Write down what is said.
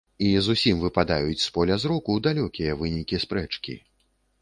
І зусім выпадаюць з поля зроку далёкія вынікі спрэчкі.